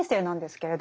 けれど